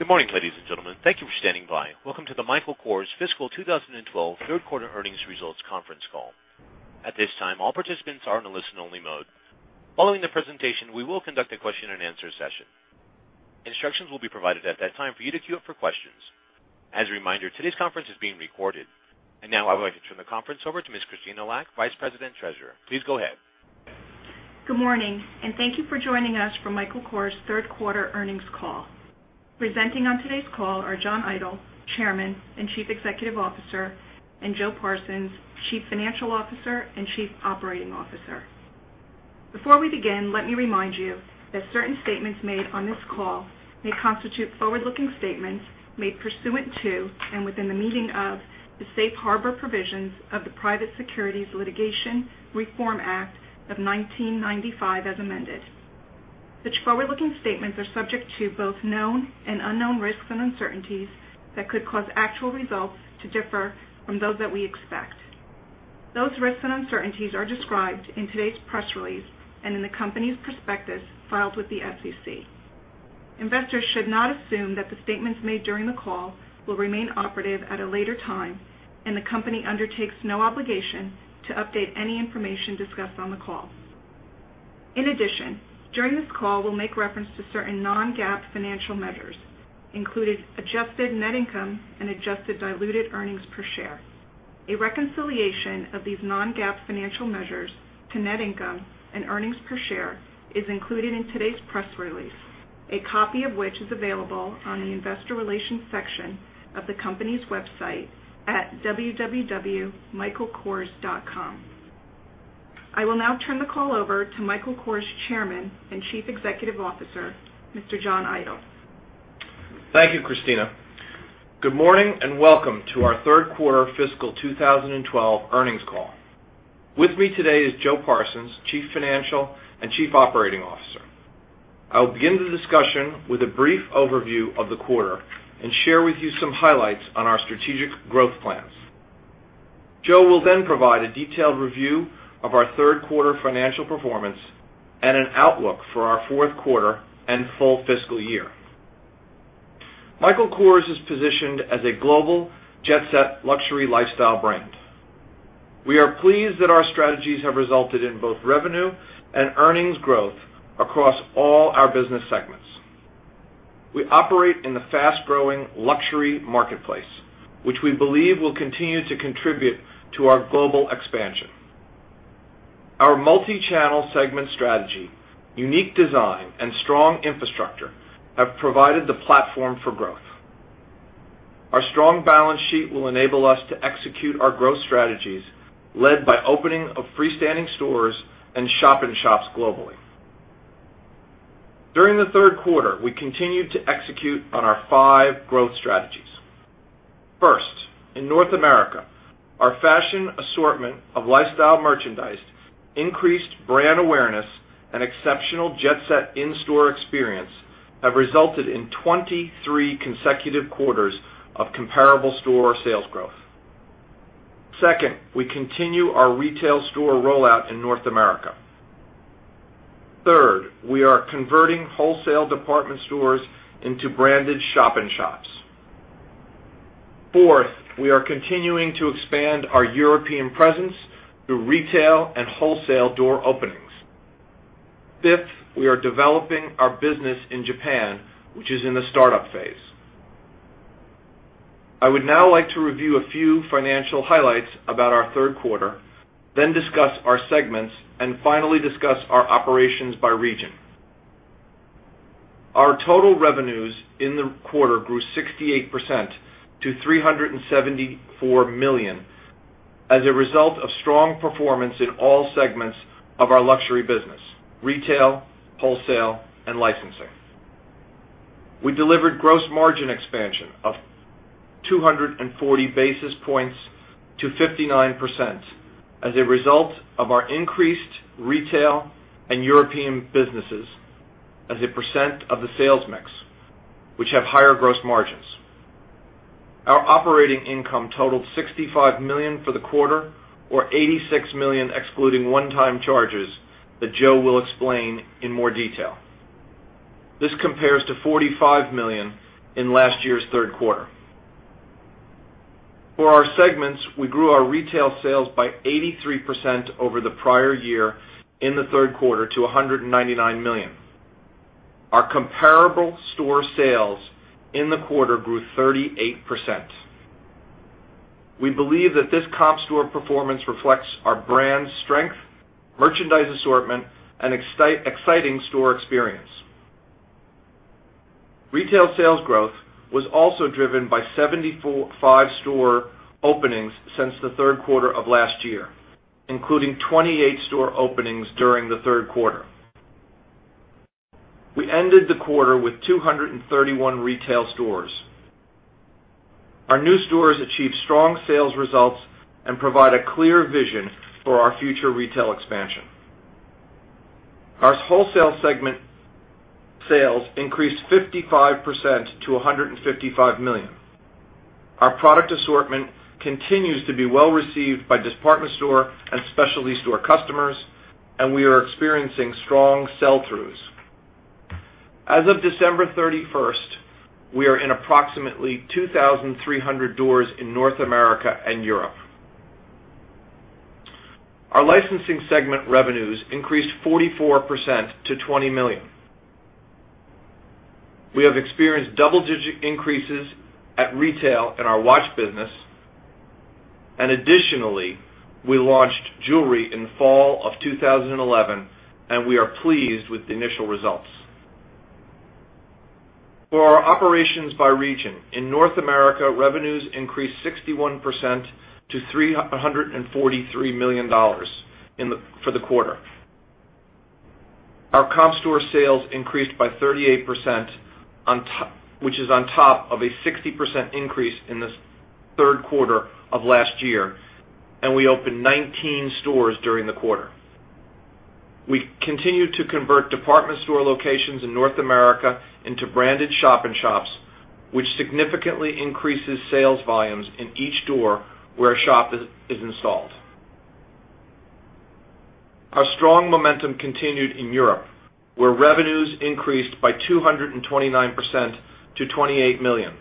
Good morning, ladies and gentlemen. Thank you for standing by. Welcome to the Michael Kors Fiscal 2012 Third Quarter Earnings Results Conference call. At this time, all participants are in a listen-only mode. Following the presentation, we will conduct a question and answer session. Instructions will be provided at that time for you to queue up for questions. As a reminder, today's conference is being recorded. I would like to turn the conference over to Ms. Krystyna Lack, Vice President and Treasurer. Please go ahead. Good morning, and thank you for joining for Michael Kors Third Quarter Earnings Call. Presenting on today's call are John Idol, Chairman and Chief Executive Officer, and Joe Parsons, Chief Financial and Chief Operating Officer. Before we begin, let me remind you that certain statements made on this call may constitute forward-looking statements made pursuant to and within the meaning of the Safe Harbor provisions of the Private Securities Litigation Reform Act of 1995 as amended. Such forward-looking statements are subject to both known and unknown risks and uncertainties that could cause actual results to differ from those that we expect. Those risks and uncertainties are described in today's press release and in the company's prospectus filed with the SEC. Investors should not assume that the statements made during the call will remain operative at a later time, and the company undertakes no obligation to update any information discussed on the call. In addition, during this call, we'll make reference to certain non-GAAP financial measures, including adjusted net income and adjusted diluted earnings per share. A reconciliation of these non-GAAP financial measures to net income and earnings per share is included in today's press release, a copy of which is available on the Investor Relations section of the company's website at www.michaelkors.com. I will now turn the call to Michael Kors Chairman and Chief Executive Officer, Mr. John Idol. Thank you, Christina. Good morning and welcome to our Third Quarter Fiscal 2012 Earnings Call. With me today is Joe Parsons, Chief Financial and Chief Operating Officer. I will begin the discussion with a brief overview of the quarter and share with you some highlights on our strategic growth plans. Joe will then provide a detailed review of our third quarter financial performance and an outlook for our fourth quarter and full year. Michael Kors is positioned as a global jet-set luxury lifestyle brand. We are pleased that our strategies have resulted in both revenue and earnings growth across all our business segments. We operate in the fast-growing luxury marketplace, which we believe will continue to contribute to our global expansion. Our multi-channel strategy, unique design, and strong infrastructure have provided the platform for growth. Our strong balance sheet will enable us to execute our growth strategies, led by opening of freestanding stores and shop-in-shops globally. During the third quarter, we continued to execute on our five growth strategies. First, in North America, our fashion assortment of lifestyle merchandise, increased brand awareness, and exceptional jet-set in-store experience have resulted in 23 consecutive quarters of comparable store sales growth. Second, we continue our retail store rollout in North America. Third, we are converting wholesale department stores into branded shop-in-shops. Fourth, we are continuing to expand our European presence through retail and wholesale door openings. Fifth, we are developing our business in Japan, which is in the startup phase. I would now like to review a few financial highlights about our third quarter, then discuss our segments, and finally discuss our operations by region. Our total revenues in the quarter grew 68% to $374 million as a result of strong performance in all segments of our luxury business: retail, wholesale, and licensing. We delivered gross margin expansion of 240 basis points to 59% as a result of our increased retail and European businesses as a percent of the sales mix, which have higher gross margins. Our operating income totaled $65 million for the quarter, or $86 million excluding one-time charges that Joe will explain in more detail. This compares to $45 million in last year's third quarter. For our segments, we grew our retail sales by 83% over the prior year in the third quarter to $199 million. Our comparable store sales in the quarter grew 38%. We believe that this comp store performance reflects our brand strength, merchandise assortment, and exciting store experience. Retail sales growth was also driven by 75 store openings since the third quarter of last year, including 28 store openings during the third quarter. We ended the quarter with 231 retail stores. Our new stores achieve strong sales results and provide a clear vision for our future retail expansion. Our wholesale segment sales increased 55% to $155 million. Our product assortment continues to be well received by department store and specialty store customers, and we are experiencing strong sell-throughs. As of December 31st, we are in approximately 2,300 doors in North America and Europe. Our licensing segment revenues increased 44% to $20 million. We have experienced double-digit increases at retail in our watch business, and additionally, we launched jewelry in the fall of 2011, and we are pleased with the initial results. For our operations by region, in North America, revenues increased 61% to $343 million for the quarter. Our comp store sales increased by 38%, which is on top of a 60% increase in this third quarter of last year, and we opened 19 stores during the quarter. We continued to convert department store locations in North America into branded shop-in-shops, which significantly increases sales volumes in each door where a shop is installed. Our strong momentum continued in Europe, where revenues increased by 229% to $28 million.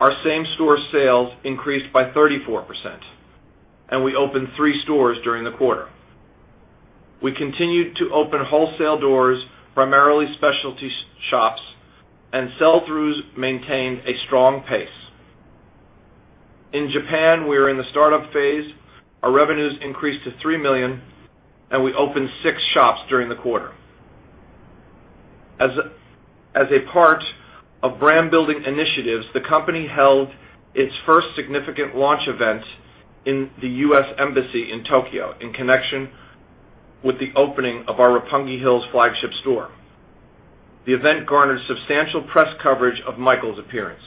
Our same-store sales increased by 34%, and we opened three stores during the quarter. We continued to open wholesale doors, primarily specialty shops, and sell-throughs maintained a strong pace. In Japan, we are in the startup phase. Our revenues increased to $3 million, and we opened six shops during the quarter. As a part of brand-building initiatives, the company held its first significant launch event in the U.S. Embassy in Tokyo in connection with the opening of our Roppongi Hills flagship store. The event garnered substantial press coverage of Michael's appearance.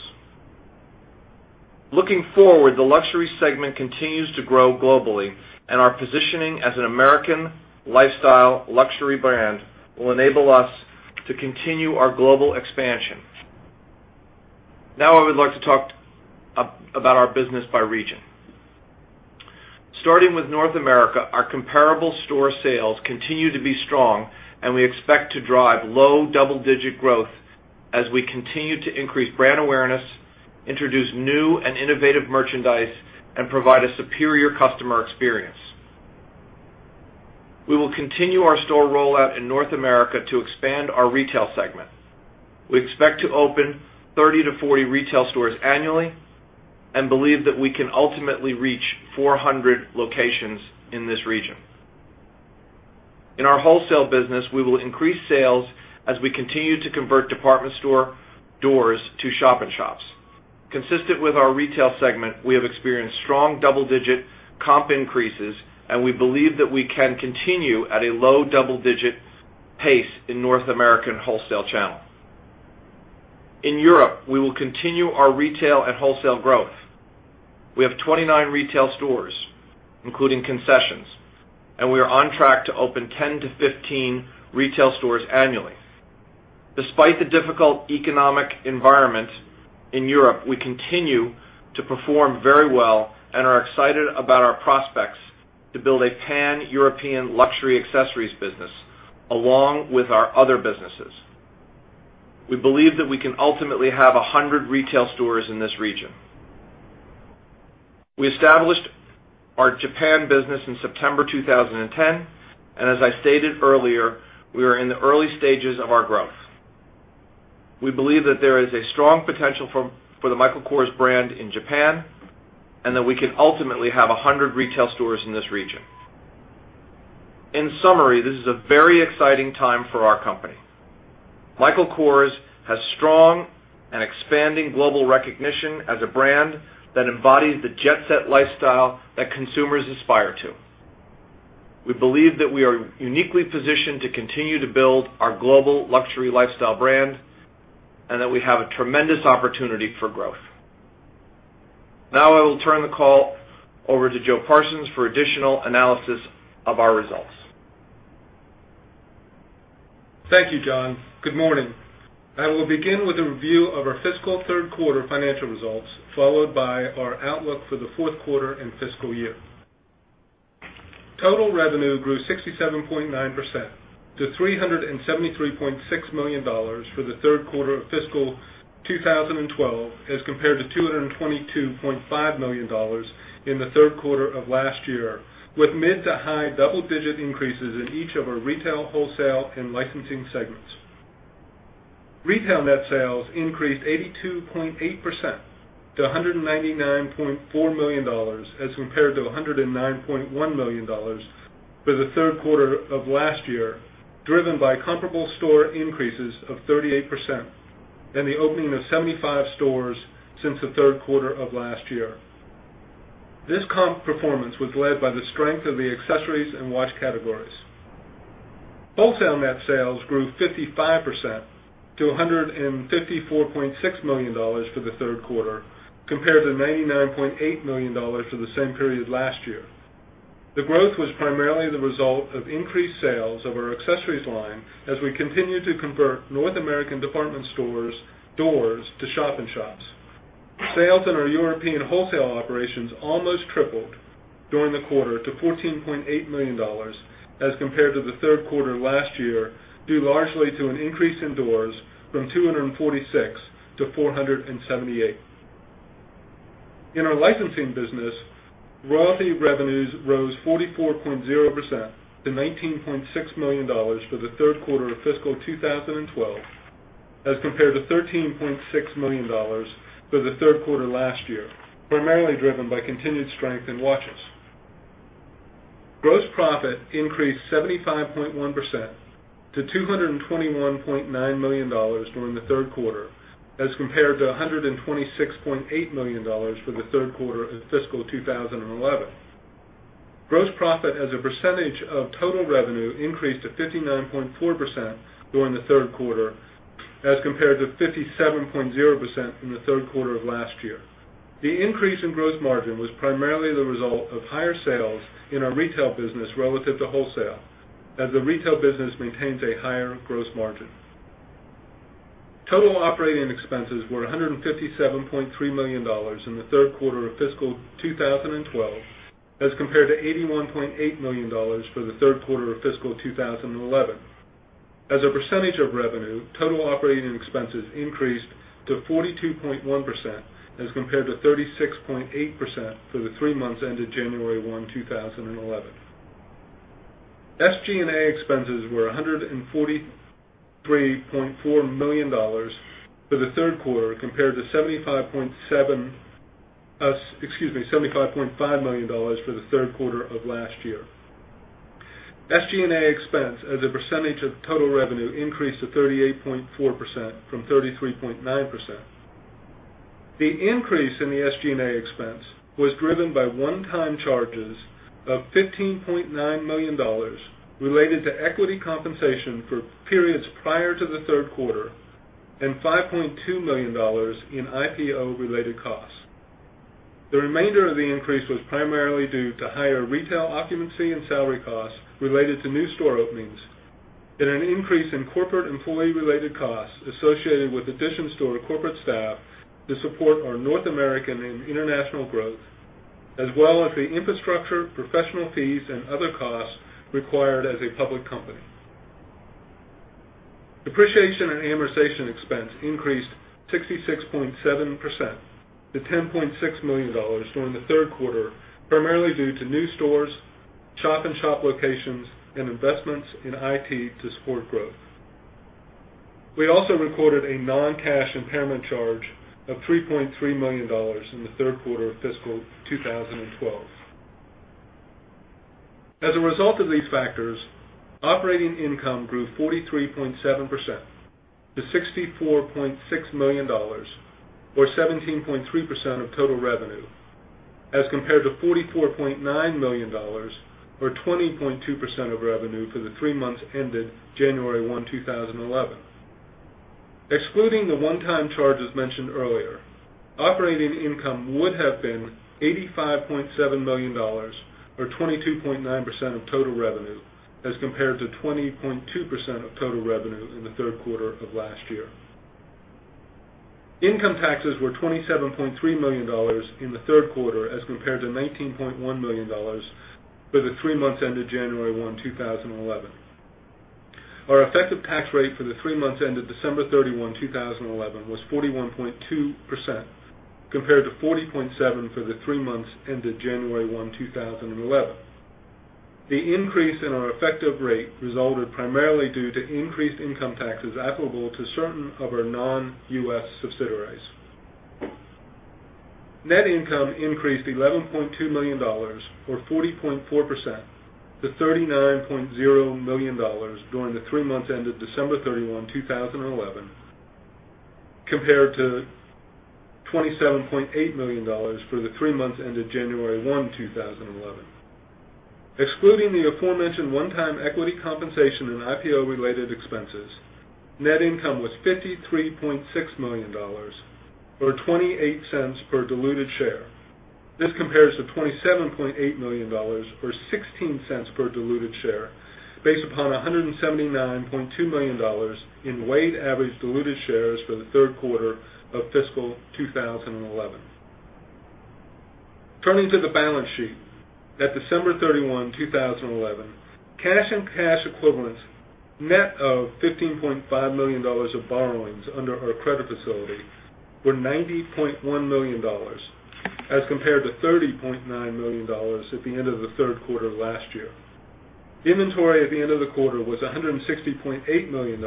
Looking forward, the luxury segment continues to grow globally, and our positioning as an American lifestyle luxury brand will enable us to continue our global expansion. Now I would like to talk about our business by region. Starting with North America, our comparable store sales continue to be strong, and we expect to drive low double-digit growth as we continue to increase brand awareness, introduce new and innovative merchandise, and provide a superior customer experience. We will continue our store rollout in North America to expand our retail segment. We expect to open 30-40 retail stores annually and believe that we can ultimately reach 400 locations in this region. In our wholesale business, we will increase sales as we continue to convert department store doors to shop-in-shops. Consistent with our retail segment, we have experienced strong double-digit comp increases, and we believe that we can continue at a low double-digit pace in the North America wholesale channel. In Europe, we will continue our retail and wholesale growth. We have 29 retail stores, including concessions, and we are on track to open 10-15 retail stores annually. Despite the difficult economic environment in Europe, we continue to perform very well and are excited about our prospects to build a Pan-European luxury accessories business along with our other businesses. We believe that we can ultimately have 100 retail stores in this region. We established our Japan business in September 2010, and as I stated earlier, we are in the early stages of our growth. We believe that there is a strong potential for the Michael Kors brand in Japan and that we can ultimately have 100 retail stores in this region. In summary, this is a very exciting time for our company. Michael Kors has strong and expanding global recognition as a brand that embodies the jet-set lifestyle that consumers aspire to. We believe that we are uniquely positioned to continue to build our global luxury lifestyle brand and that we have a tremendous opportunity for growth. Now I will turn the call over to Joe Parsons for additional analysis of our results. Thank you, John. Good morning. I will begin with a review of our fiscal third quarter financial results, followed by our outlook for the fourth quarter and fiscal year. Total revenue grew 67.9% to $373.6 million for the third quarter of fiscal 2012 as compared to $222.5 million in the third quarter of last year, with mid to high double-digit increases in each of our retail, wholesale, and licensing segments. Retail net sales increased 82.8% to $199.4 million as compared to $109.1 million for the third quarter of last year, driven by comparable store increases of 38% and the opening of 75 stores since the third quarter of last year. This comp performance was led by the strength of the accessories and watch categories. Wholesale net sales grew 55% to $154.6 million for the third quarter, compared to $99.8 million for the same period last year. The growth was primarily the result of increased sales of our accessories line as we continue to convert North American department store doors to shop-in-shops. Sales in our European wholesale operations almost tripled during the quarter to $14.8 million as compared to the third quarter last year, due largely to an increase in doors from 246 to 478. In our licensing business, royalty revenues rose 44.0% to $19.6 million for the third quarter of fiscal 2012 as compared to $13.6 million for the third quarter last year, primarily driven by continued strength in watches. Gross profit increased 75.1% to $221.9 million during the third quarter as compared to $126.8 million for the third quarter of fiscal 2011. Gross profit as a percentage of total revenue increased to 59.4% during the third quarter as compared to 57.0% in the third quarter of last year. The increase in gross margin was primarily the result of higher sales in our retail business relative to wholesale, as the retail business maintains a higher gross margin. Total operating expenses were $157.3 million in the third quarter of fiscal 2012 as compared to $81.8 million for the third quarter of fiscal 2011. As a percentage of revenue, total operating expenses increased to 42.1% as compared to 36.8% for the three months ended January 1, 2011. FG&A expenses were $143.4 million for the third quarter compared to $75.5 million for the third quarter of last year. FG&A expense as a percentage of total revenue increased to 38.4% from 33.9%. The increase in the FG&A expense was driven by one-time charges of $15.9 million related to equity compensation for periods prior to the third quarter and $5.2 million in IPO-related costs. The remainder of the increase was primarily due to higher retail occupancy and salary costs related to new store openings and an increase in corporate employee-related costs associated with adding store to corporate staff to support our North American and international growth, as well as the infrastructure, professional fees, and other costs required as a public company. Depreciation and amortization expense increased 66.7% to $10.6 million during the third quarter, primarily due to new stores, shop-in-shops locations, and investments in IT to support growth. We also recorded a non-cash impairment charge of $3.3 million in the third quarter of fiscal 2012. As a result of these factors, operating income grew 43.7% to $64.6 million, or 17.3% of total revenue, as compared to $44.9 million, or 20.2% of revenue for the three months ended January 1, 2011. Excluding the one-time charges mentioned earlier, operating income would have been $85.7 million, or 22.9% of total revenue, as compared to 20.2% of total revenue in the third quarter of last year. Income taxes were $27.3 million in the third quarter as compared to $19.1 million for the three months ended January 1, 2011. Our effective tax rate for the three months ended December 31, 2011, was 41.2% compared to 40.7% for the three months ended January 1, 2011. The increase in our effective rate resulted primarily due to increased income taxes applicable to certain of our non-U.S. subsidiaries. Net income increased $11.2 million, or 40.4%, to $39.0 million during the three months ended December 31, 2011, compared to $27.8 million for the three months ended January 1, 2011. Excluding the aforementioned one-time equity compensation and IPO-related expenses, net income was $53.6 million, or $0.28 per diluted share. This compares to $27.8 million for $0.16 per diluted share, based upon 179.2 million in weighted average diluted shares for the third quarter of fiscal 2011. Turning to the balance sheet at December 31, 2011, cash and cash equivalents net of $15.5 million of borrowings under our credit facility were $90.1 million as compared to $30.9 million at the end of the third quarter last year. Inventory at the end of the quarter was $160.8 million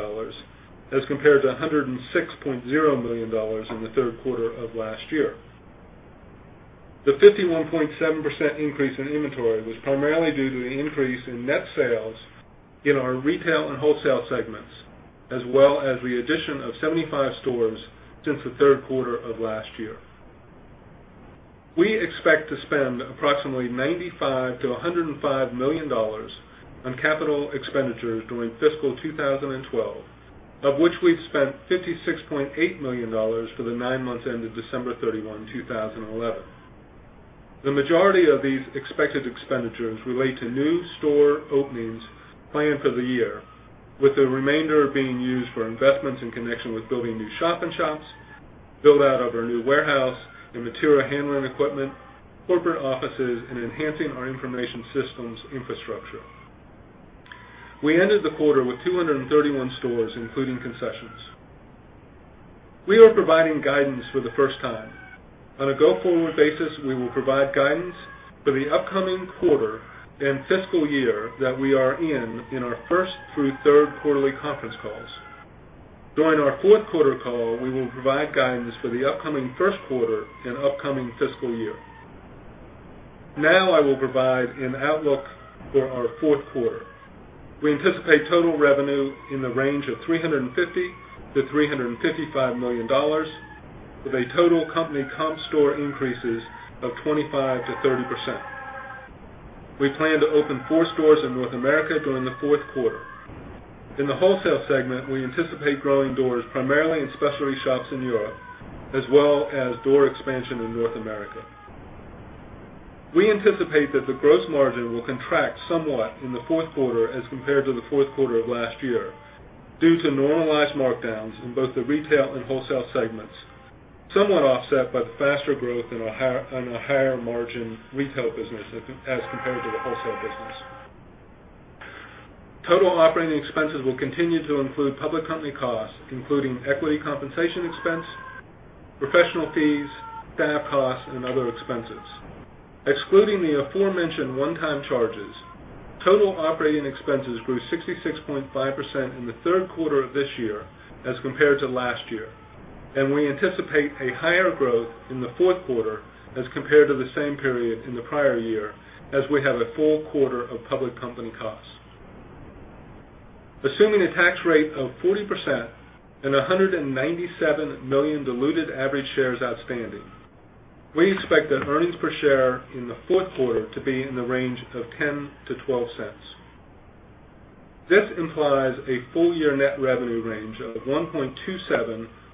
as compared to $106.0 million in the third quarter of last year. The 51.7% increase in inventory was primarily due to the increase in net sales in our retail and wholesale segments, as well as the addition of 75 stores since the third quarter of last year. We expect to spend approximately $95 million-$105 million on capital expenditures during fiscal 2012, of which we've spent $56.8 million for the nine months ended December 31, 2011. The majority of these expected expenditures relate to new store openings planned for the year, with the remainder being used for investments in connection with building new shop-in-shops, build-out of our new warehouse and material handling equipment, corporate offices, and enhancing our information systems infrastructure. We ended the quarter with 231 stores, including concessions. We are providing guidance for the first time. On a go-forward basis, we will provide guidance for the upcoming quarter and fiscal year that we are in in our first through third quarterly conference calls. During our fourth quarter call, we will provide guidance for the upcoming first quarter and upcoming fiscal year. Now I will provide an outlook for our fourth quarter. We anticipate total revenue in the range of $350 million-$355 million, with a total company comparable store sales increase of 25%-30%. We plan to open four stores in North America during the fourth quarter. In the wholesale segment, we anticipate growing doors primarily in specialty shops in Europe, as well as door expansion in North America. We anticipate that the gross margin will contract somewhat in the fourth quarter as compared to the fourth quarter of last year due to normalized markdowns in both the retail and wholesale segments, somewhat offset by the faster growth in a higher margin retail business as compared to the wholesale business. Total operating expenses will continue to include public company costs, including equity compensation expense, professional fees, staff costs, and other expenses. Excluding the aforementioned one-time charges, total operating expenses grew 66.5% in the third quarter of this year as compared to last year, and we anticipate a higher growth in the fourth quarter as compared to the same period in the prior year as we have a full quarter of public company costs. Assuming a tax rate of 40% and 197 million diluted average shares outstanding, we expect the earnings per share in the fourth quarter to be in the range of $0.10-$0.12. This implies a full-year net revenue range of $1.27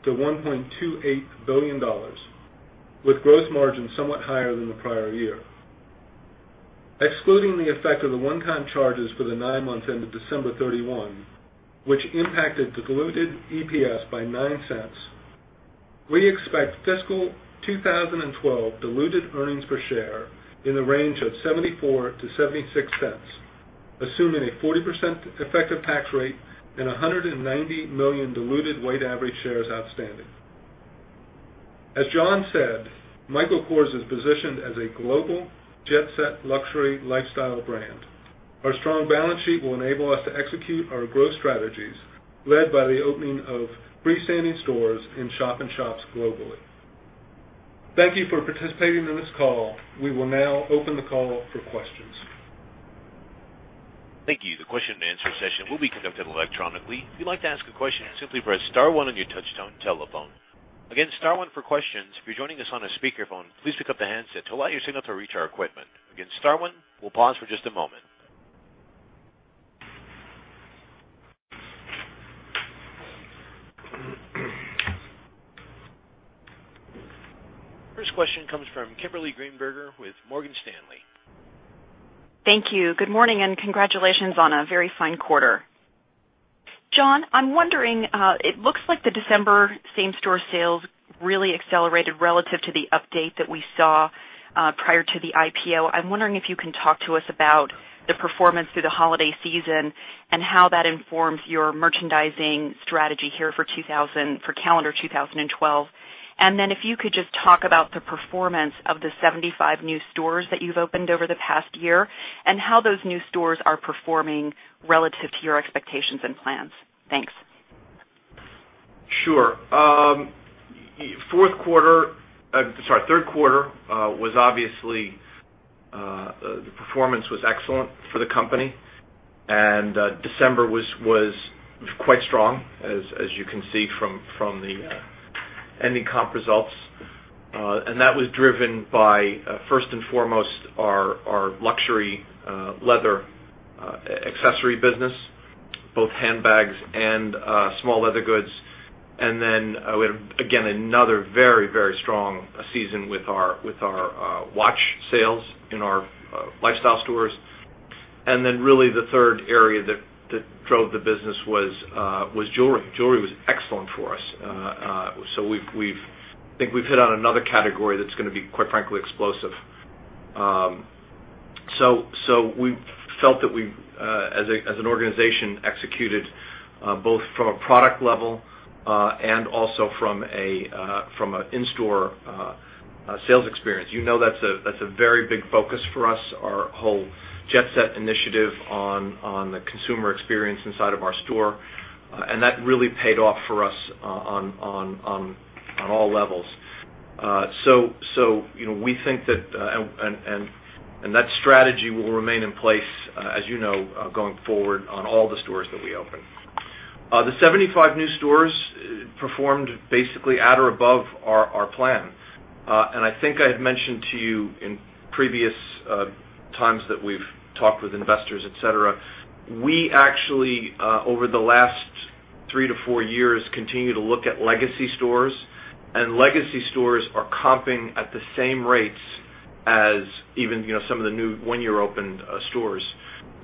billion-$1.28 billion, with gross margins somewhat higher than the prior year. Excluding the effect of the one-time charges for the nine months ended December 31, which impacted the diluted EPS by $0.09, we expect fiscal 2012 diluted earnings per share in the range of $0.74-$0.76, assuming a 40% effective tax rate and 190 million diluted weighted average shares outstanding. As John said, Michael Kors is positioned as a global jet-set luxury lifestyle brand. Our strong balance sheet will enable us to execute our growth strategies, led by the opening of freestanding stores and shop-in-shops globally. Thank you for participating in this call. We will now open the call for questions. Thank you. The question-and-answer session will be conducted electronically. If you'd like to ask a question, simply press star one on your touch-tone telephone. Again, star one for questions. If you're joining us on a speakerphone, please pick up the handset to allow your signal to reach our equipment. Again, star one. We'll pause for just a moment. First question comes from Kimberly Greenberger with Morgan Stanley. Thank you. Good morning and congratulations on a very fine quarter. John, I'm wondering, it looks like the December comparable store sales really accelerated relative to the update that we saw prior to the IPO. I'm wondering if you can talk to us about the performance through the holiday season and how that informs your merchandising strategy here for calendar 2012. If you could just talk about the performance of the 75 new stores that you've opened over the past year and how those new stores are performing relative to your expectations and plans. Thanks. Sure. Third quarter was obviously, the performance was excellent for the company. December was quite strong, as you can see from the ending comp results. That was driven by, first and foremost, our luxury leather accessory business, both handbags and small leather goods. We had, again, another very, very strong season with our watch sales in our lifestyle stores. The third area that drove the business was jewelry. Jewelry was excellent for us. We've, I think we've hit on another category that's going to be, quite frankly, explosive. We felt that we, as an organization, executed both from a product level and also from an in-store sales experience. You know, that's a very big focus for us, our whole jet-set initiative on the consumer experience inside of our store. That really paid off for us on all levels. We think that strategy will remain in place, as you know, going forward on all the stores that we open. The 75 new stores performed basically at or above our plan. I think I had mentioned to you in previous times that we've talked with investors, etc., we actually, over the last three to four years, continue to look at legacy stores, and legacy stores are comping at the same rates as even some of the new one-year open stores.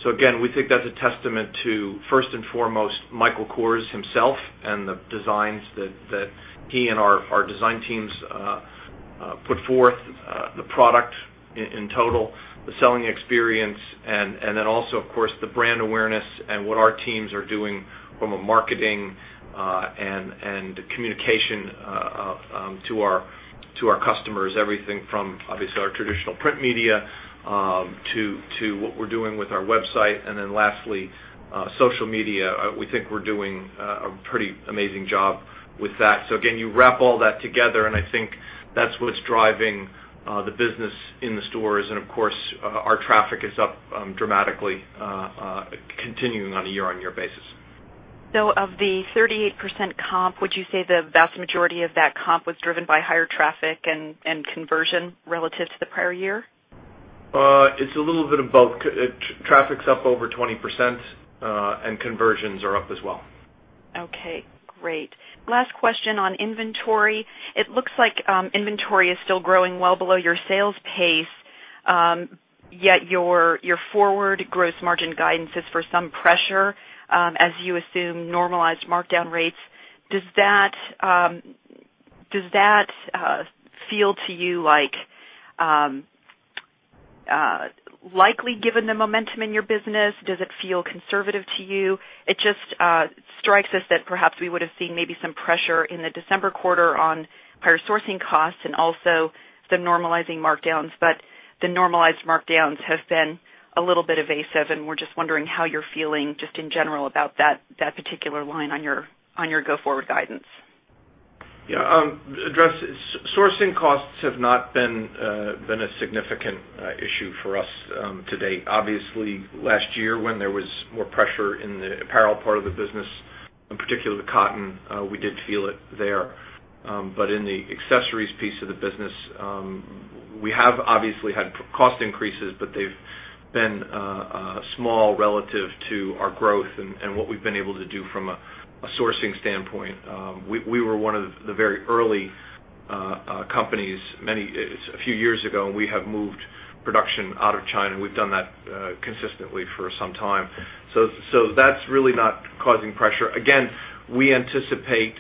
Again, we think that's a testament to first and foremost Michael Kors himself and the designs that he and our design teams put forth, the product in total, the selling experience, and then also, of course, the brand awareness and what our teams are doing from a marketing and communication to our customers, everything from, obviously, our traditional print media to what we're doing with our website. Lastly, social media, we think we're doing a pretty amazing job with that. You wrap all that together, and I think that's what's driving the business in the stores. Of course, our traffic is up dramatically, continuing on a year-on-year basis. Of the 38% comp, would you say the vast majority of that comp was driven by higher traffic and conversion relative to the prior year? It's a little bit of both. Traffic's up over 20%, and conversions are up as well. Okay. Great. Last question on inventory. It looks like inventory is still growing well below your sales pace, yet your forward gross margin guidance is for some pressure, as you assume normalized markdown rates. Does that feel to you like, likely given the momentum in your business? Does it feel conservative to you? It just strikes us that perhaps we would have seen maybe some pressure in the December quarter on higher sourcing costs and also some normalizing markdowns. The normalized markdowns have been a little bit evasive, and we're just wondering how you're feeling in general about that particular line on your go-forward guidance. Yeah. Sourcing costs have not been a significant issue for us to date. Obviously, last year when there was more pressure in the apparel part of the business, in particular the cotton, we did feel it there. In the accessories piece of the business, we have had cost increases, but they've been small relative to our growth and what we've been able to do from a sourcing standpoint. We were one of the very early companies, a few years ago, and we have moved production out of China, and we've done that consistently for some time. That's really not causing pressure. We anticipate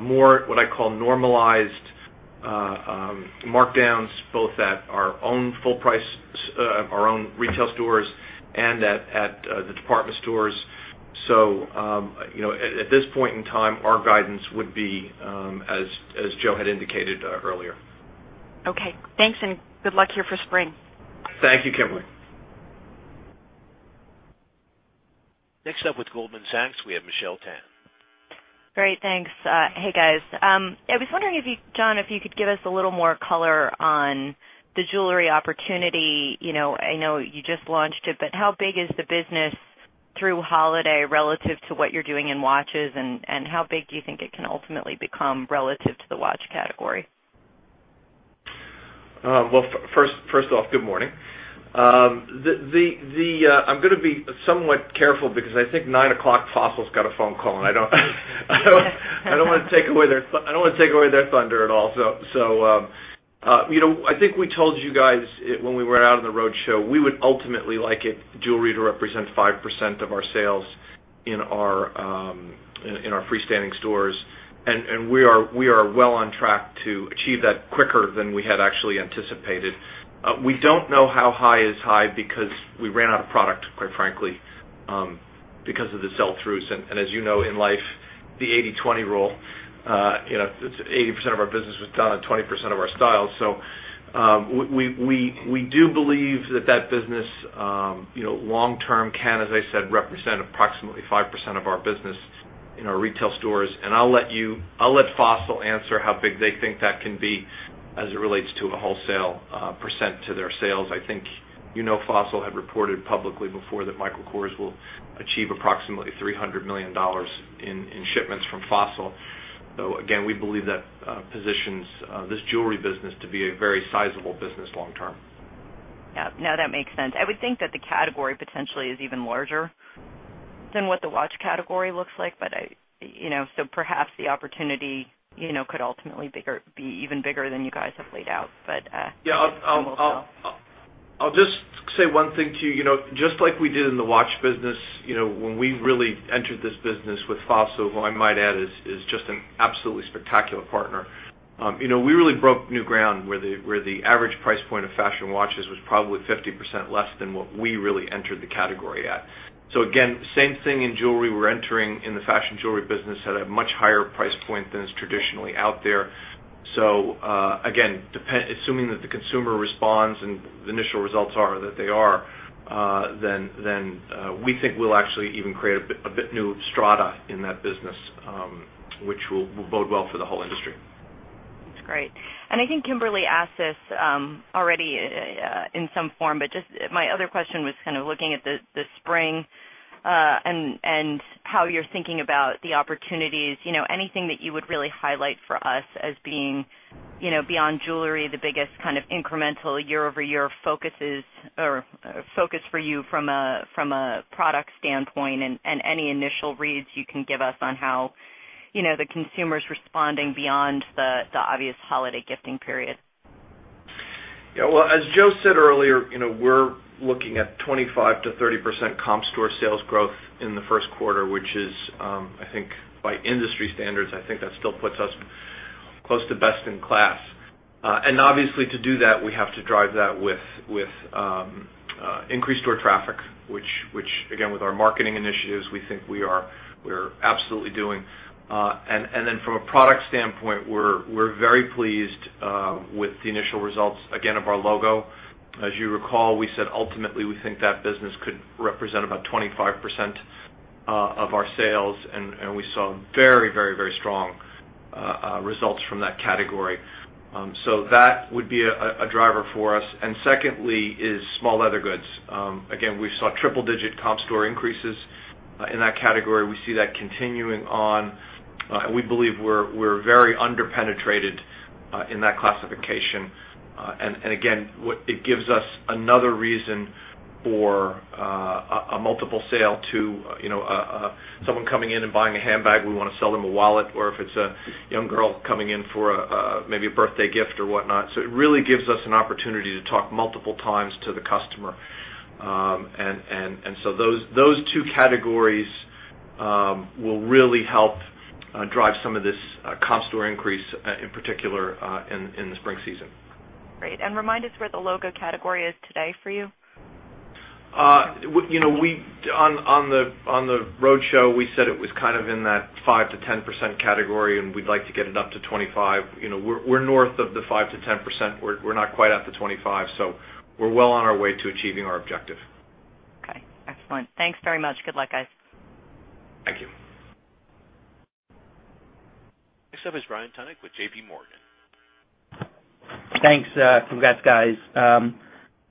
more what I call normalized markdowns both at our own full price, our own retail stores, and at the department stores. At this point in time, our guidance would be as Joe had indicated earlier. Okay, thanks, and good luck here for spring. Thank you, Christina. Next up with Goldman Sachs, we have Michelle Tan. Great. Thanks. Hey, guys. I was wondering if you, John, if you could give us a little more color on the jewelry opportunity. I know you just launched it, but how big is the business through holiday relative to what you're doing in watches, and how big do you think it can ultimately become relative to the watch category? First off, good morning. I'm going to be somewhat careful because I think 9:00 A.M. Fossil's got a phone call, and I don't want to take away their thunder at all. You know, I think we told you guys when we went out on the roadshow, we would ultimately like jewelry to represent 5% of our sales in our freestanding stores. We are well on track to achieve that quicker than we had actually anticipated. We don't know how high is high because we ran out of product, quite frankly, because of the sell-throughs. As you know, in life, the 80/20 rule, it's 80% of our business was done on 20% of our styles. We do believe that business, long term, can, as I said, represent approximately 5% of our business in our retail stores. I'll let you let Fossil answer how big they think that can be as it relates to a wholesale % to their sales. I think you know Fossil had reported publicly before that Michael Kors will achieve approximately $300 million in shipments from Fossil. Again, we believe that positions this jewelry business to be a very sizable business long term. Yeah, that makes sense. I would think that the category potentially is even larger than what the watch category looks like, so perhaps the opportunity could ultimately be even bigger than you guys have laid out. Yeah. I'll just say one thing to you. You know, just like we did in the watch business, you know, when we really entered this business with Fossil, who I might add is just an absolutely spectacular partner, you know, we really broke new ground where the average price point of fashion watches was probably 50% less than what we really entered the category at. Again, same thing in jewelry. We're entering in the fashion jewelry business at a much higher price point than is traditionally out there. Again, assuming that the consumer responds and the initial results are that they are, we think we'll actually even create a bit new strata in that business, which will bode well for the whole industry. That's great. I think Kimberly asked this already in some form, but my other question was looking at the spring and how you're thinking about the opportunities. Is there anything that you would really highlight for us as being, beyond jewelry, the biggest incremental year-over-year focus for you from a product standpoint, and any initial reads you can give us on how the consumer's responding beyond the obvious holiday gifting period? Yeah. As Joe said earlier, you know, we're looking at 25%-30% comparable store sales growth in the first quarter, which is, I think by industry standards, I think that still puts us close to best in class. Obviously, to do that, we have to drive that with increased store traffic, which, again, with our marketing initiatives, we think we are absolutely doing. From a product standpoint, we're very pleased with the initial results, again, of our logo. As you recall, we said ultimately we think that business could represent about 25% of our sales, and we saw very, very, very strong results from that category. That would be a driver for us. Secondly is small leather goods. Again, we saw triple-digit comparable store increases in that category. We see that continuing on, and we believe we're very underpenetrated in that classification. Again, it gives us another reason for a multiple sale to, you know, someone coming in and buying a handbag, we want to sell them a wallet, or if it's a young girl coming in for a, maybe a birthday gift or whatnot. It really gives us an opportunity to talk multiple times to the customer. Those two categories will really help drive some of this comparable store increase, in particular, in the spring season. Great. Remind us where the logo category is today for you. On the roadshow, we said it was kind of in that 5%-10% category, and we'd like to get it up to 25%. We're north of the 5%-10%. We're not quite at the 25%, so we're well on our way to achieving our objective. Okay. Excellent. Thanks very much. Good luck, guys. Thank you. Next up is Brian Tunick with JPMorgan. Thanks. Congrats, guys.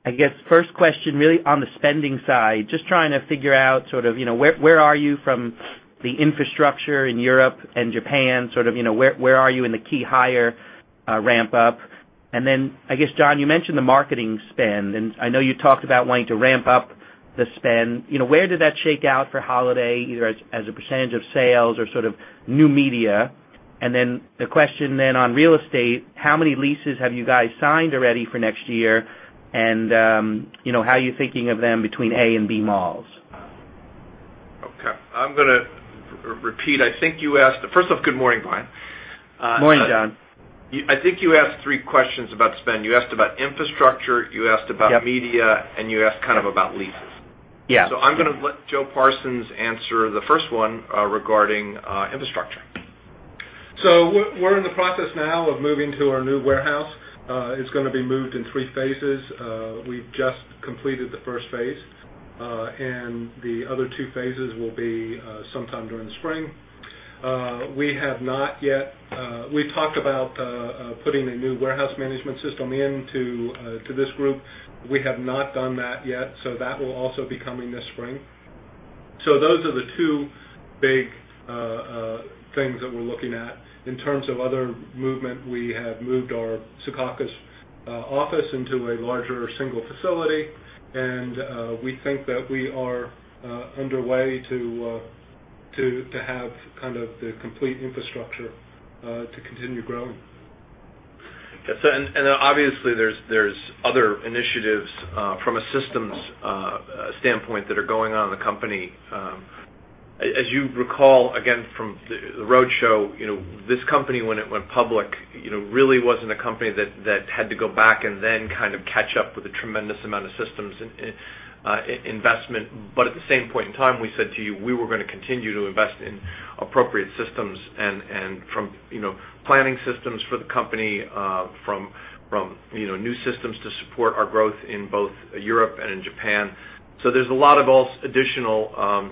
I guess first question really on the spending side, just trying to figure out where you are from the infrastructure in Europe and Japan, where you are in the key hire ramp-up. John, you mentioned the marketing spend, and I know you talked about wanting to ramp up the spend. Where did that shake out for holiday, either as a percentage of sales or new media? The question on real estate, how many leases have you guys signed already for next year? How are you thinking of them between A and B malls? Okay. I'm going to repeat. I think you asked the first off, good morning, Brian. Morning, John. I think you asked three questions about spend. You asked about infrastructure, you asked about media, and you asked about leases. Yes. I'm going to let Joe Parsons answer the first one, regarding infrastructure. We are in the process now of moving to our new warehouse. It is going to be moved in three phases. We have just completed the first phase, and the other two phases will be sometime during the spring. We have not yet talked about putting the new warehouse management system into this group. We have not done that yet. That will also be coming this spring. Those are the two big things that we are looking at. In terms of other movement, we have moved our Sokakis office into a larger single facility, and we think that we are underway to have kind of the complete infrastructure to continue growing. Yeah. Obviously, there are other initiatives from a systems standpoint that are going on in the company. As you recall, again, from the roadshow, you know, this company, when it went public, really wasn't a company that had to go back and then kind of catch up with a tremendous amount of systems and investment. At the same point in time, we said to you, we were going to continue to invest in appropriate systems, from planning systems for the company, from new systems to support our growth in both Europe and in Japan. There is a lot of additional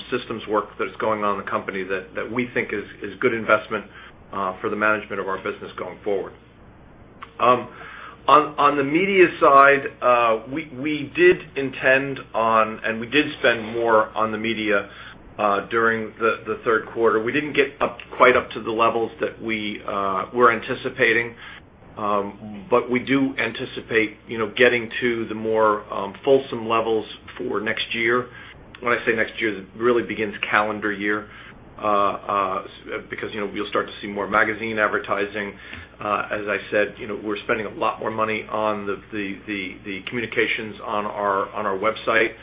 systems work that's going on in the company that we think is a good investment for the management of our business going forward. On the media side, we did intend on and we did spend more on the media during the third quarter. We didn't get quite up to the levels that we were anticipating, but we do anticipate getting to the more fulsome levels for next year. When I say next year, it really begins calendar year, because we'll start to see more magazine advertising. As I said, we're spending a lot more money on the communications on our website,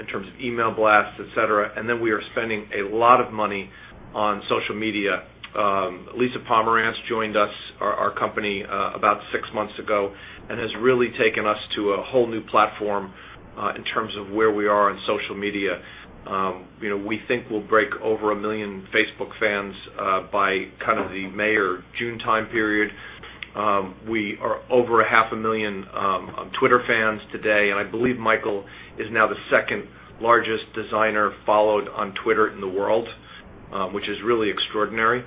in terms of email blasts, etc. We are spending a lot of money on social media. Lisa Pomeranz joined us, our company, about six months ago and has really taken us to a whole new platform in terms of where we are on social media. We think we'll break over a million Facebook fans by kind of the May or June time period. We are over a half a million on Twitter fans today. I believe Michael is now the second largest designer followed on Twitter in the world, which is really extraordinary.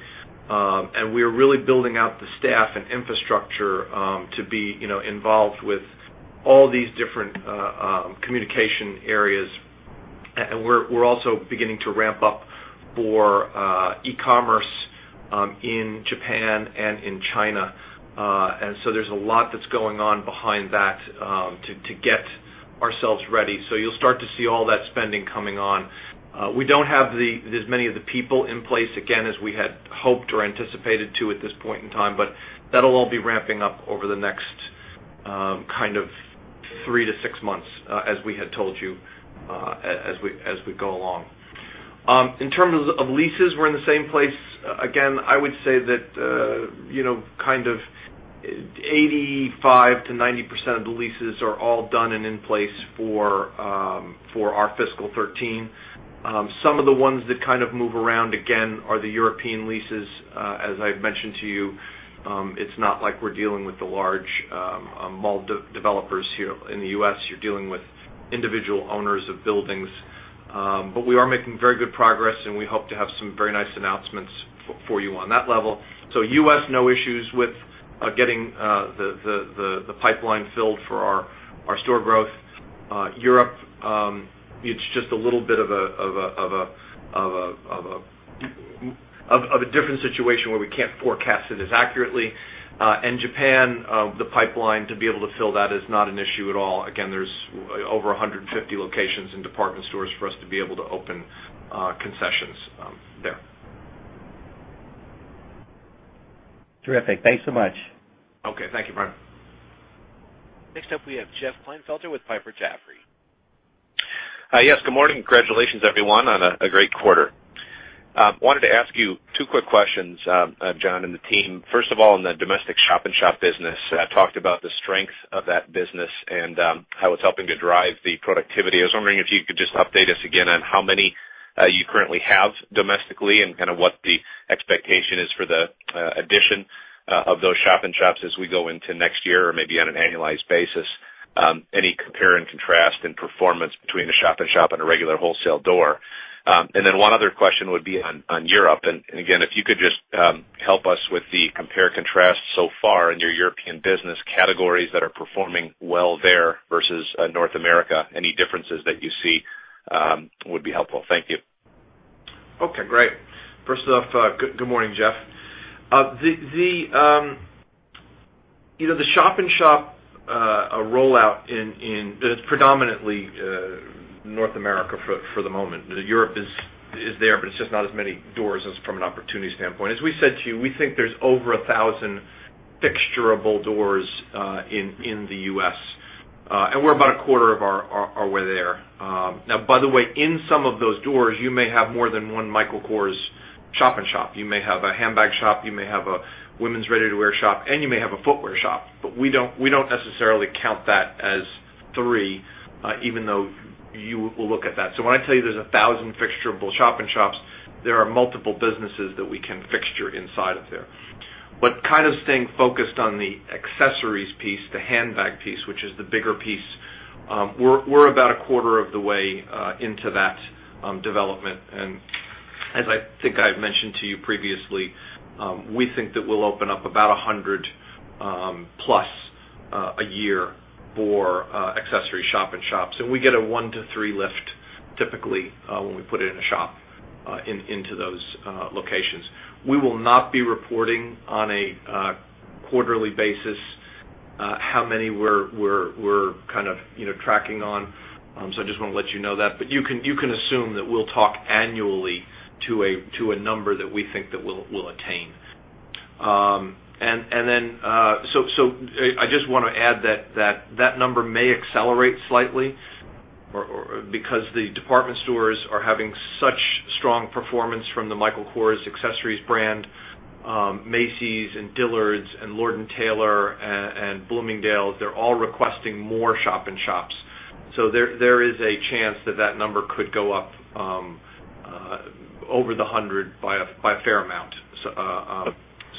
We are really building out the staff and infrastructure to be involved with all these different communication areas. We're also beginning to ramp up for e-commerce in Japan and in China, and so there's a lot that's going on behind that to get ourselves ready. You'll start to see all that spending coming on. We don't have as many of the people in place as we had hoped or anticipated at this point in time, but that'll all be ramping up over the next three to six months, as we had told you as we go along. In terms of leases, we're in the same place. Again, I would say that, you know, kind of, 85%-90% of the leases are all done and in place for our fiscal 2013. Some of the ones that move around, again, are the European leases, as I mentioned to you. It's not like we're dealing with the large mall developers here in the U.S. You're dealing with individual owners of buildings. We are making very good progress, and we hope to have some very nice announcements for you on that level. U.S., no issues with getting the pipeline filled for our store growth. Europe, it's just a little bit of a different situation where we can't forecast it as accurately. Japan, the pipeline to be able to fill that is not an issue at all. Again, there's over 150 locations and department stores for us to be able to open concessions there. Terrific. Thanks so much. Okay. Thank you, Brian. Next up, we have Jeff Klinefelter with Piper Jaffray. Hi. Yes. Good morning. Congratulations, everyone, on a great quarter. I wanted to ask you two quick questions, John and the team. First of all, in the domestic shop-in-shops business, I talked about the strength of that business and how it's helping to drive the productivity. I was wondering if you could just update us again on how many you currently have domestically and kind of what the expectation is for the addition of those shop-in-shops as we go into next year or maybe on an annualized basis. Any compare and contrast in performance between the shop-in-shops and a regular wholesale door? One other question would be on Europe. If you could just help us with the compare and contrast so far in your European business, categories that are performing well there versus North America, any differences that you see would be helpful. Thank you. Okay. Great. First off, good morning, Jeff. The shop-in-shops rollout is predominantly North America for the moment. Europe is there, but it's just not as many doors from an opportunities standpoint. As we said to you, we think there's over 1,000 fixturable doors in the U.S., and we're about a quarter of our way there. Now, by the way, in some of those doors, you may have more than one Michael Kors shop-in-shop. You may have a handbag shop, you may have a women's ready-to-wear shop, and you may have a footwear shop. We don't necessarily count that as three, even though you will look at that. When I tell you there's 1,000 fixturable shop-in-shops, there are multiple businesses that we can fixture inside of there. Kind of staying focused on the accessories piece, the handbag piece, which is the bigger piece, we're about a quarter of the way into that development. As I think I had mentioned to you previously, we think that we'll open up about 100+ a year for accessory shop-in-shops, and we get a one to three lift, typically, when we put it in a shop into those locations. We will not be reporting on a quarterly basis how many we're kind of tracking on. I just want to let you know that. You can assume that we'll talk annually to a number that we think that we'll attain. I just want to add that number may accelerate slightly because the department stores are having such strong performance from the Michael Kors accessories brand. Macy's, Dillard's, Lord & Taylor, and Bloomingdale's, they're all requesting more shop-in-shops. There is a chance that number could go up over the 100 by a fair amount.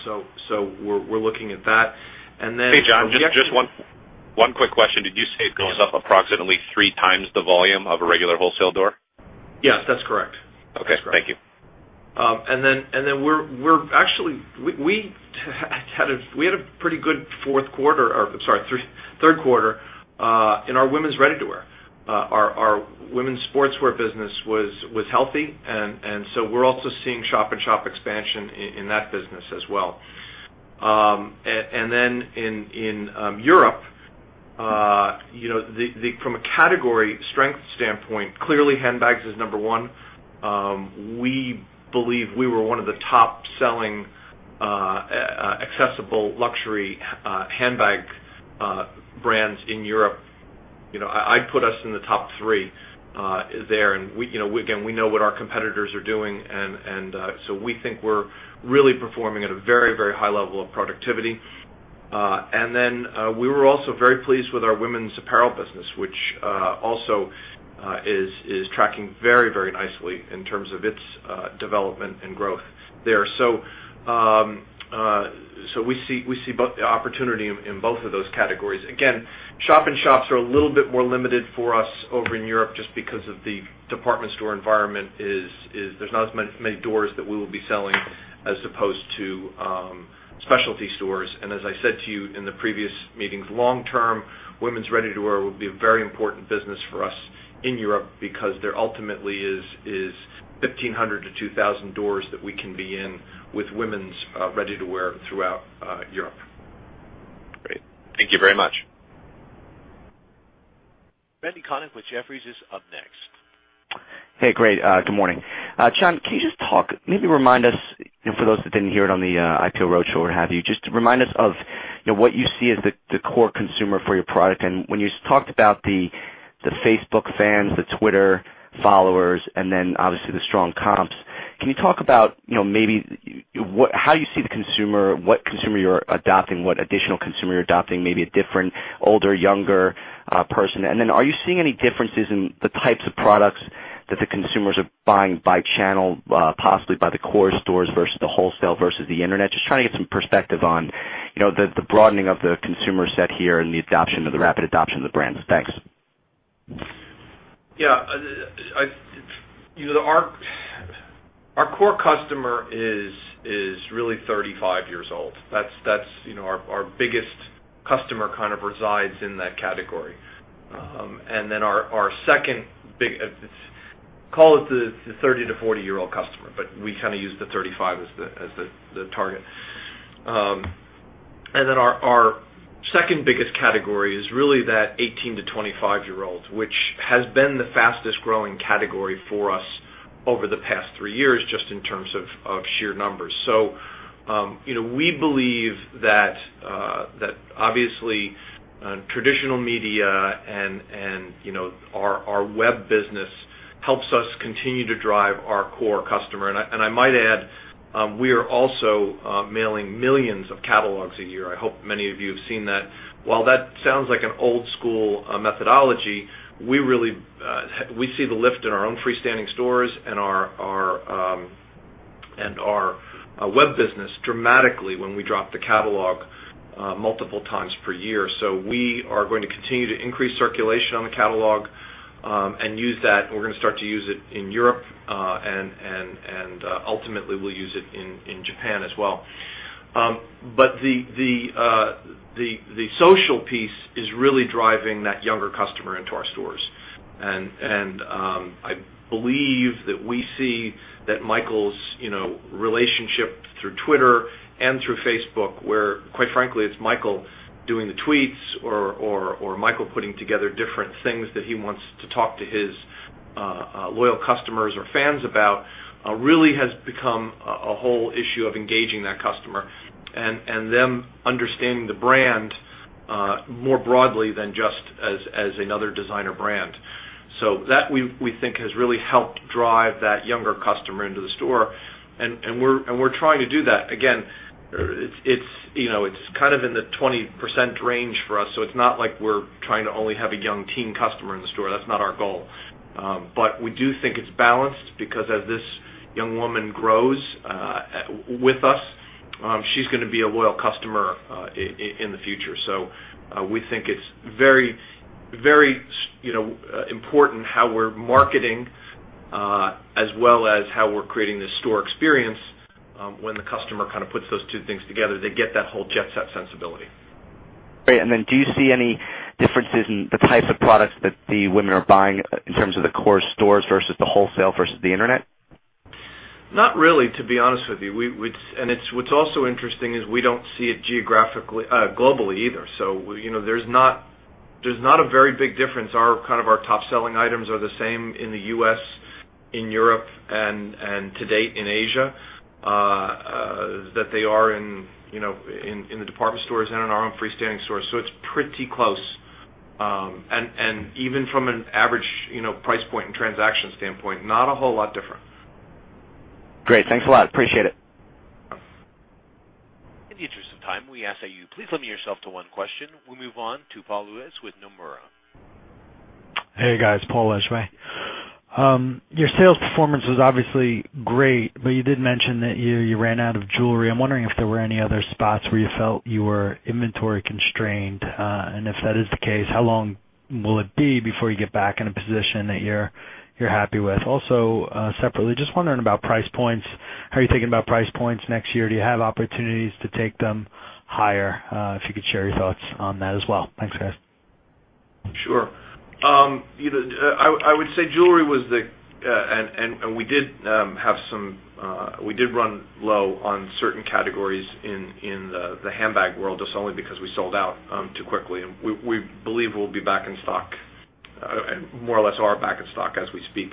We're looking at that. Hey, John. Yes, Jeff? Just one quick question. Did you say it goes up approximately 3x the volume of a regular wholesale door? Yes, that's correct. Okay. That's correct. Thank you. We actually had a pretty good third quarter in our women's ready-to-wear. Our women's sportswear business was healthy, and we are also seeing shop-in-shop expansion in that business as well. In Europe, from a category strength standpoint, clearly handbags is number one. We believe we were one of the top selling accessible luxury handbag brands in Europe. I'd put us in the top three there. We know what our competitors are doing, and we think we're really performing at a very high level of productivity. We were also very pleased with our women's apparel business, which is tracking very nicely in terms of its development and growth there. We see the opportunity in both of those categories. Shop-in-shops are a little bit more limited for us over in Europe just because the department store environment is such that there are not as many doors that we will be selling as opposed to specialty stores. As I said to you in the previous meetings, long term, women's ready-to-wear will be a very important business for us in Europe because there ultimately are 1,500-2,000 doors that we can be in with women's ready-to-wear throughout Europe. Great. Thank you very much. Randal Konik with Jefferies is up next. Hey, great. Good morning. John, can you just talk, maybe remind us, for those that didn't hear it on the IPO roadshow or what have you, just remind us of what you see as the core consumer for your product. When you talked about the Facebook fans, the Twitter followers, and obviously the strong comps, can you talk about maybe how you see the consumer, what consumer you're adopting, what additional consumer you're adopting, maybe a different older, younger person? Are you seeing any differences in the types of products that the consumers are buying by channel, possibly by the Kors doors versus the wholesale versus the internet? Just trying to get some perspective on the broadening of the consumer set here and the rapid adoption of the brands. Thanks. Yeah. Our core customer is really 35 years old. That's our biggest customer, kind of resides in that category. Our second big, call it the 30 to 40-year-old customer, but we kind of use the 35 as the target. Our second biggest category is really that 18 to 25-year-old, which has been the fastest growing category for us over the past three years just in terms of sheer numbers. We believe that, obviously, traditional media and our web business help us continue to drive our core customer. I might add, we are also mailing millions of catalogs a year. I hope many of you have seen that. While that sounds like an old-school methodology, we really see the lift in our own freestanding stores and our web business dramatically when we drop the catalog multiple times per year. We are going to continue to increase circulation on the catalog and use that. We're going to start to use it in Europe, and ultimately, we'll use it in Japan as well. The social piece is really driving that younger customer into our stores. I believe that we see that Michael's relationship through Twitter and through Facebook, where, quite frankly, it's Michael doing the tweets or Michael putting together different things that he wants to talk to his loyal customers or fans about, really has become a whole issue of engaging that customer and them understanding the brand more broadly than just as another designer brand. We think that has really helped drive that younger customer into the store. We're trying to do that. It's kind of in the 20% range for us. It's not like we're trying to only have a young teen customer in the store. That's not our goal. We do think it's balanced because as this young woman grows with us, she's going to be a loyal customer in the future. We think it's very, very important how we're marketing, as well as how we're creating the store experience. When the customer kind of puts those two things together, they get that whole jet-set sensibility. Do you see any differences in the types of products that the women are buying in terms of the Kors stores versus the wholesale versus the internet? Not really, to be honest with you. It's what's also interesting, we don't see it geographically, globally either. There's not a very big difference. Our top selling items are the same in the U.S., in Europe, and to date in Asia, that they are in the department stores and in our own freestanding stores. It's pretty close, and even from an average price point and transaction standpoint, not a whole lot different. Great, thanks a lot. Appreciate it. In the interest of time, we ask that you please limit yourself to one question. We'll move on to Paul Lejuez with Nomura. Hey, guys. Paul Lejuez. Your sales performance was obviously great, but you did mention that you ran out of jewelry. I'm wondering if there were any other spots where you felt you were inventory constrained. If that is the case, how long will it be before you get back in a position that you're happy with? Also, separately, just wondering about price points. How are you thinking about price points next year? Do you have opportunities to take them higher? If you could share your thoughts on that as well. Thanks, guys. Sure. I would say jewelry was the, and we did have some, we did run low on certain categories in the handbag world just only because we sold out too quickly. We believe we'll be back in stock, more or less are back in stock as we speak.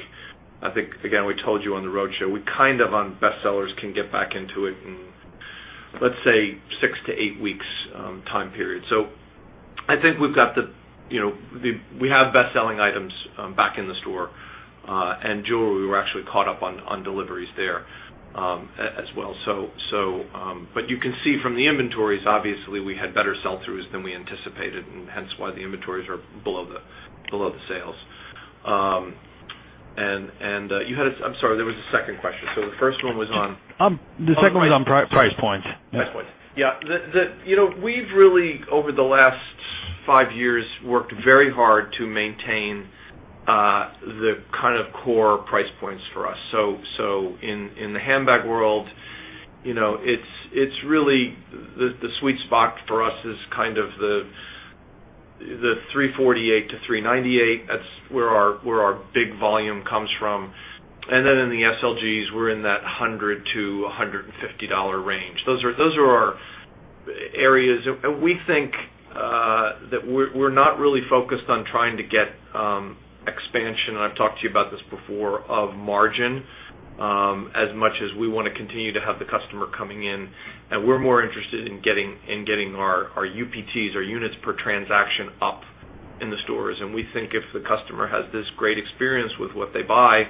I think, again, we told you on the roadshow, we kind of on bestsellers can get back into it in, let's say, six to eight weeks time period. I think we've got the, you know, we have best-selling items back in the store. Jewelry, we were actually caught up on deliveries there as well. You can see from the inventories, obviously, we had better sell-throughs than we anticipated, and hence why the inventories are below the sales. You had a, I'm sorry. There was a second question. The first one was on. The second one was on price points. Price points. We've really, over the last five years, worked very hard to maintain the kind of core price points for us. In the handbag world, it's really the sweet spot for us, kind of the $348-$398. That's where our big volume comes from. In the SLGs, we're in that $100-$150 range. Those are our areas. We think that we're not really focused on trying to get expansion, and I've talked to you about this before, of margin, as much as we want to continue to have the customer coming in. We're more interested in getting our UPTs, our units per transaction, up in the stores. We think if the customer has this great experience with what they buy,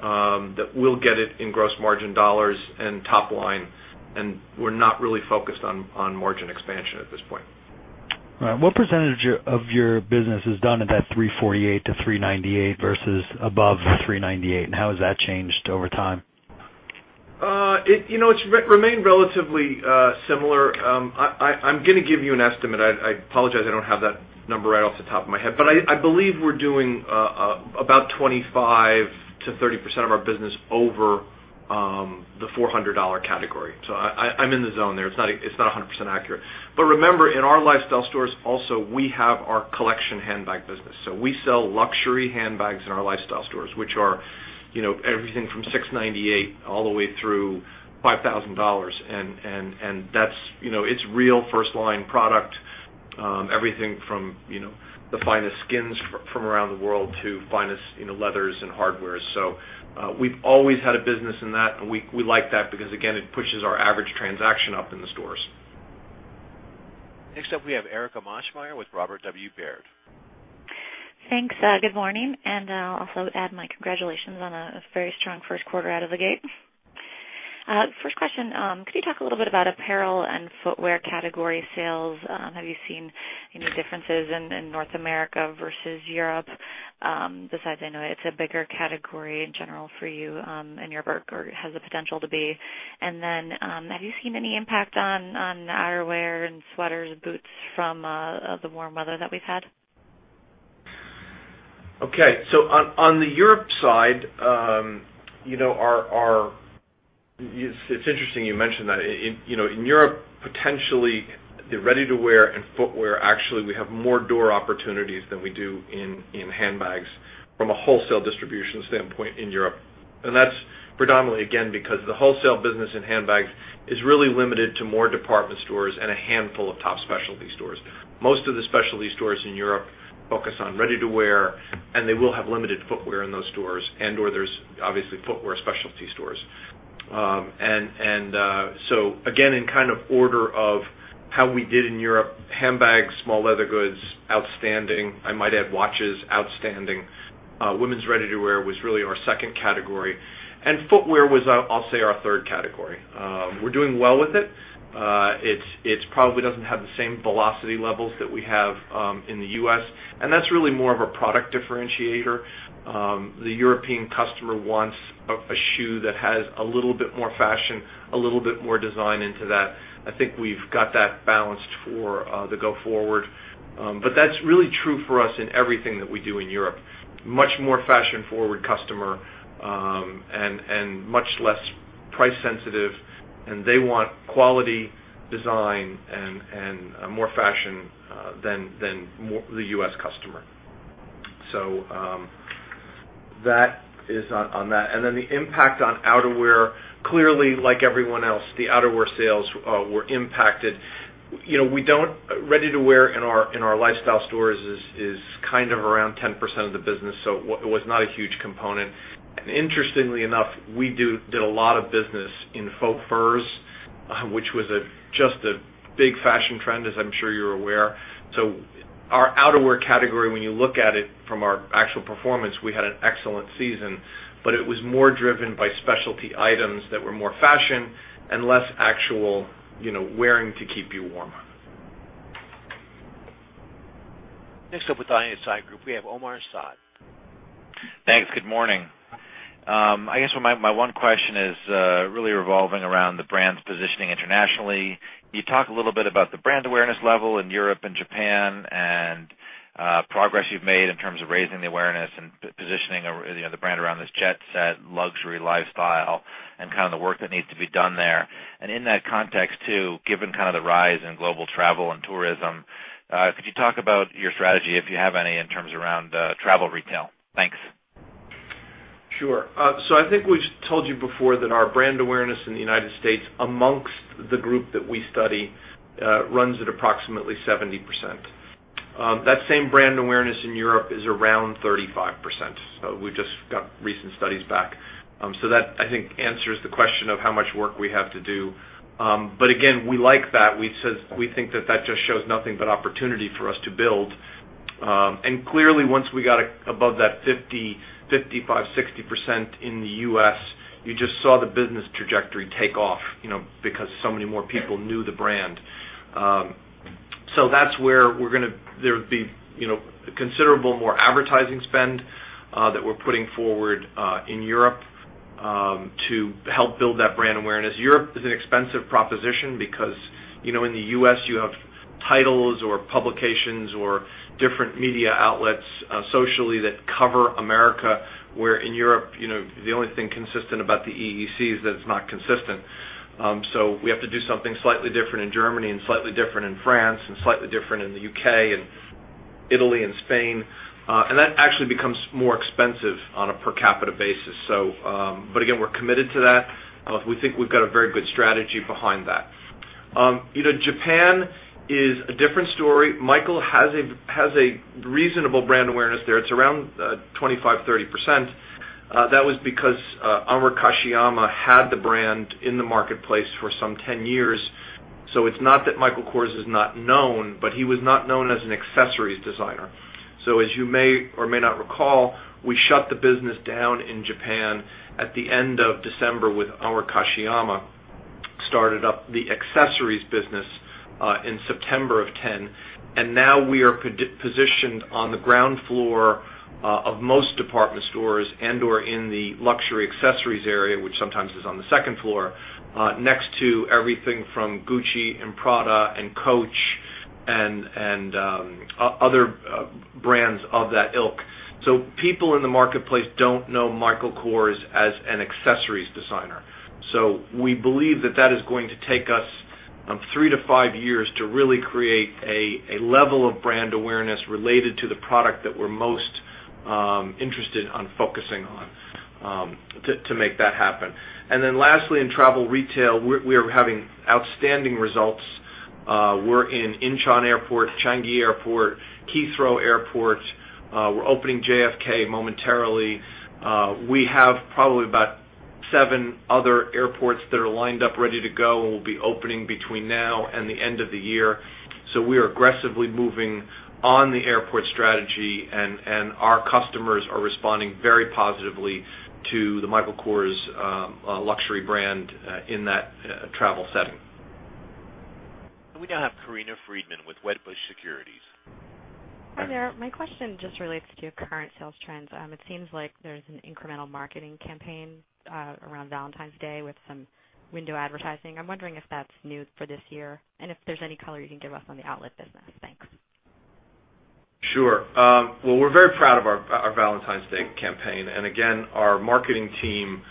that we'll get it in gross margin dollars and top line. We're not really focused on margin expansion at this point. All right. What percentage of your business is done at that $348-$398 versus above $398, and how has that changed over time? It's remained relatively similar. I'm going to give you an estimate. I apologize. I don't have that number right off the top of my head, but I believe we're doing about 25%-30% of our business over the $400 category. I'm in the zone there. It's not 100% accurate. Remember, in our lifestyle stores also, we have our collection handbag business. We sell luxury handbags in our lifestyle stores, which are everything from $698 all the way through $5,000. That's real first-line product, everything from the finest skins from around the world to the finest leathers and hardware. We've always had a business in that, and we like that because, again, it pushes our average transaction up in the stores. Next up, we have Erika Maschmeyer with Robert W. Baird. Thanks. Good morning. I'll also add my congratulations on a very strong first quarter out of the gate. First question, could you talk a little bit about apparel and footwear category sales? Have you seen any differences in North America versus Europe, besides I know it's a bigger category in general for you in Europe or has the potential to be? Have you seen any impact on the outerwear and sweaters and boots from the warm weather that we've had? Okay. On the Europe side, it's interesting you mentioned that. In Europe, potentially, the ready-to-wear and footwear actually have more door opportunities than we do in handbags from a wholesale distribution standpoint in Europe. That's predominantly, again, because the wholesale business in handbags is really limited to more department stores and a handful of top specialty stores. Most of the specialty stores in Europe focus on ready-to-wear, and they will have limited footwear in those stores or there are obviously footwear specialty stores. In order of how we did in Europe: handbags, small leather goods, outstanding. I might add watches, outstanding. Women's ready-to-wear was really our second category, and footwear was our third category. We're doing well with it. It probably doesn't have the same velocity levels that we have in the U.S., and that's really more of a product differentiator. The European customer wants a shoe that has a little bit more fashion, a little bit more design into that. I think we've got that balanced for the go-forward. That's really true for us in everything that we do in Europe. Much more fashion-forward customer and much less price-sensitive. They want quality, design, and more fashion than the U.S. customer. That is on that. The impact on outerwear, clearly, like everyone else, the outerwear sales were impacted. We don't ready-to-wear in our lifestyle stores is kind of around 10% of the business, so it was not a huge component. Interestingly enough, we did a lot of business in faux furs, which was a big fashion trend, as I'm sure you're aware. Our outerwear category, when you look at it from our actual performance, we had an excellent season, but it was more driven by specialty items that were more fashion and less actual wearing to keep you warm. Next up with the ISI Group, we have Omar Saad. Thanks. Good morning. My one question is really revolving around the brand's positioning internationally. Could you talk a little bit about the brand awareness level in Europe and Japan and the progress you've made in terms of raising the awareness and positioning the brand around this jet-set luxury lifestyle and the work that needs to be done there? In that context, too, given the rise in global travel and tourism, could you talk about your strategy, if you have any, in terms of travel retail? Thanks. Sure. I think we've told you before that our brand awareness in the U.S., amongst the group that we study, runs at approximately 70%. That same brand awareness in Europe is around 35%. We've just got recent studies back. I think that answers the question of how much work we have to do. Again, we like that. We think that just shows nothing but opportunity for us to build. Clearly, once we got above that 50%, 55%, 60% in the U.S., you just saw the business trajectory take off, because so many more people knew the brand. That's where we're going to be, you know, considerable more advertising spend that we're putting forward in Europe to help build that brand awareness. Europe is an expensive proposition because, in the U.S., you have titles or publications or different media outlets, socially, that cover America, where in Europe, the only thing consistent about the EEC is that it's not consistent. We have to do something slightly different in Germany and slightly different in France and slightly different in the UK and Italy and Spain. That actually becomes more expensive on a per capita basis. Again, we're committed to that. We think we've got a very good strategy behind that. Japan is a different story. Michael Kors has a reasonable brand awareness there. It's around 25%, 30%. That was because Aomura Kashiyama had the brand in the marketplace for some 10 years. It's not that Michael Kors is not known, but he was not known as an accessories designer. As you may or may not recall, we shut the business down in Japan at the end of December with Aomura Kashiyama, started up the accessories business in September of 2010. Now we are positioned on the ground floor of most department stores and/or in the luxury accessories area, which sometimes is on the second floor, next to everything from Gucci and Prada Group and Coach and other brands of that ilk. People in the marketplace don't know Michael Kors as an accessories designer. We believe that is going to take us three to five years to really create a level of brand awareness related to the product that we're most interested in focusing on to make that happen. Lastly, in travel retail, we are having outstanding results. We're in Incheon Airport, Changi Airport, Heathrow Airport. We're opening JFK momentarily. We have probably about seven other airports that are lined up ready to go, and we'll be opening between now and the end of the year. We are aggressively moving on the airport strategy, and our customers are responding very positively to the Michael Kors luxury brand in that travel setting. We now have Corinna Freedman with Wedbush Securities. Hi there. My question just relates to your current sales trends. It seems like there's an incremental marketing campaign around Valentine's Day with some window advertising. I'm wondering if that's new for this year and if there's any color you can give us on the outlet business. Thanks. Sure. We're very proud of our Valentine's Day campaign. Our marketing team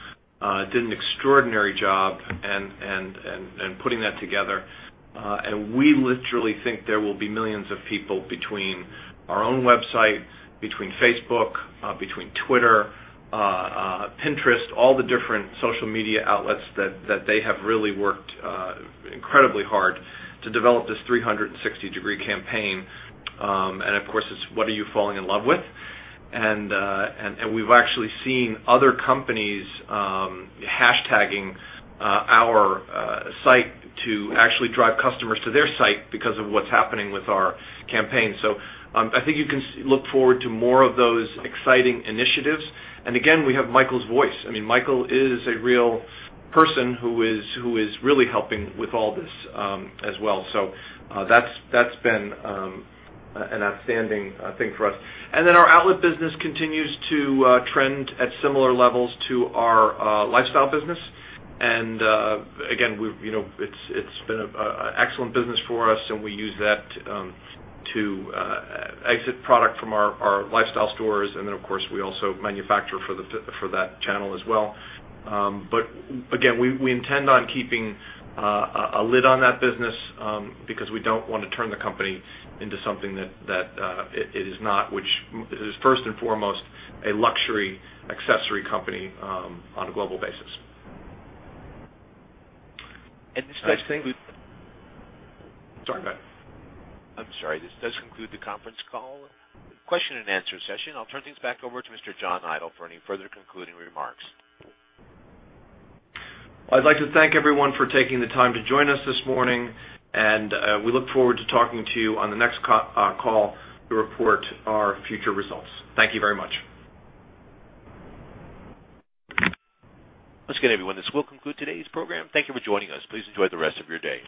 did an extraordinary job in putting that together. We literally think there will be millions of people between our own website, Facebook, Twitter, Pinterest, all the different social media outlets that they have really worked incredibly hard to develop this 360-degree campaign. Of course, it's what are you falling in love with? We've actually seen other companies hashtagging our site to actually drive customers to their site because of what's happening with our campaign. I think you can look forward to more of those exciting initiatives. We have Michael's voice. Michael is a real person who is really helping with all this as well. That's been an outstanding thing for us. Our outlet business continues to trend at similar levels to our lifestyle business. It's been an excellent business for us, and we use that to exit product from our lifestyle stores. We also manufacture for that channel as well. We intend on keeping a lid on that business because we don't want to turn the company into something that it is not, which is first and foremost a luxury accessory company on a global basis. This does conclude. Sorry, go ahead. I'm sorry. This does conclude the conference call question and answer session. I'll turn things back over to Mr. John Idol for any further concluding remarks. Thank you everyone for taking the time to join us this morning. We look forward to talking to you on the next call to report our future results. Thank you very much. Once again, everyone, this will conclude today's program. Thank you for joining us. Please enjoy the rest of your day.